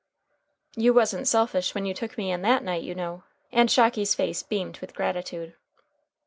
"You wasn't selfish when you took me that night, you know," and Shocky's face beamed with gratitude.